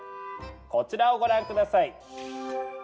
こちらをご覧ください！